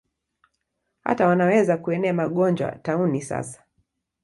Hata wanaweza kuenea magonjwa, tauni hasa.